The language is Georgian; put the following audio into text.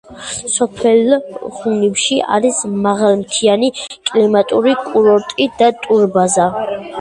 სოფელ ღუნიბში არის მაღალმთიანი კლიმატური კურორტი და ტურბაზა.